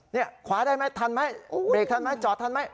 นี่ขวาได้มั้ยทันมั้ยเบรกทันมั้ยจอดทันมั้ย